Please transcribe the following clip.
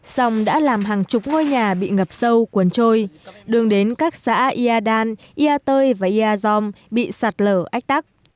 xong đã làm hàng chục ngôi nhà bị ngập sâu cuồn trôi đường đến các xã yadan yatai và yazon bị sạt lở ách tắc